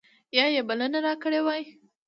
یا یې بلنه راکړې وای.